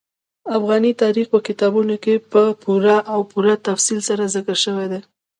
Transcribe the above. افغاني تاریخ په کتابونو کې په پوره او پوره تفصیل سره ذکر شوی دي.